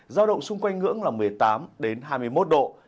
giao động xung quanh ngưỡng là một mươi tám hai mươi một độ